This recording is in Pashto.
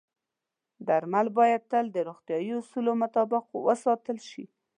درمل باید تل د روغتیايي اصولو مطابق وساتل شي.